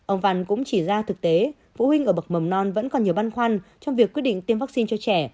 ông văn cũng chỉ ra thực tế phụ huynh ở bậc mầm non vẫn còn nhiều băn khoăn trong việc quyết định tiêm vaccine cho trẻ